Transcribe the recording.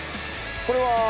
これは？